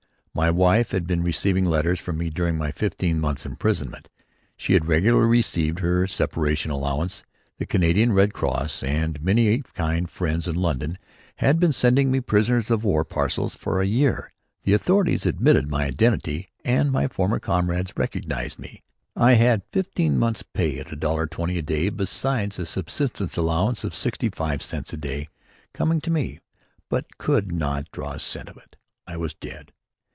My wife had been receiving letters from me during my fifteen months' imprisonment; she had regularly received her separation allowance; the Canadian Red Cross and many kind friends in London had been sending me prisoner of war parcels for a year; the authorities admitted my identity and my former comrades recognised me; I had fifteen months' pay at $1.20 a day, besides a subsistence allowance of sixty five cents a day, coming to me; but could not draw a cent of it. I was dead.